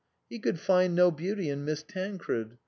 He could find no beauty in Miss Tan cred.